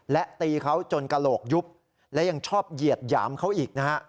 และตีเขาจนกระโหลกยุบและยังชอบเหยียดหยามเขาอีกนะฮะ